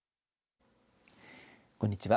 こんにちは。